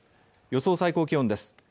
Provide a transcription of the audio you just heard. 予想最高気温です。